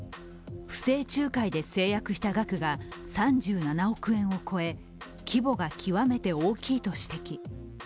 不正仲介で成約した額が３７億円を超え、規模が極めて大きいと指摘。